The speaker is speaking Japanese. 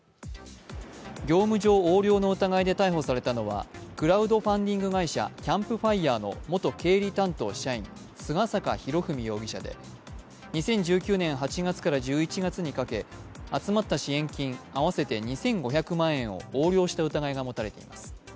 業務上横領の疑いで逮捕されたのはクラウドファンディング会社、ＣＡＭＰＦＩＲＥの元経理担当社員、菅坂博史容疑者で２０１９年８月から１１月にかけ、集まった支援金合わせて２５００万円を横領した疑いが持たれています。